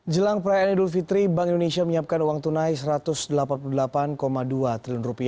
jelang perayaan idul fitri bank indonesia menyiapkan uang tunai rp satu ratus delapan puluh delapan dua triliun